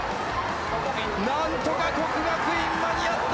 なんとか國學院、間に合った。